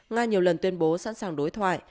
nga nhiều lần tuyên bố sẵn sàng đối thoại